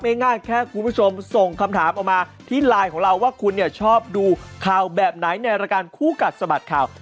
ง่ายแค่คุณผู้ชมส่งคำถามออกมาที่ไลน์ของเราว่าคุณเนี่ยชอบดูข่าวแบบไหนในรายการคู่กัดสะบัดข่าว